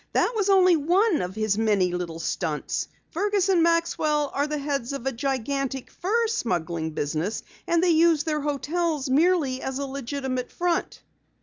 That was only one of their many little stunts. Fergus and Maxwell are the heads of a gigantic fur smuggling business, and they use their hotels merely as a legitimate front."